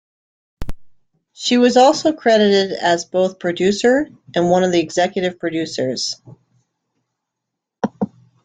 She was also credited as both producer and one of the executive producers.